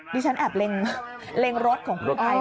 ที่ฉันแอบเล็งรถของผู้ให้